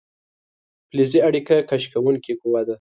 فلزي اړیکه کش کوونکې قوه ده.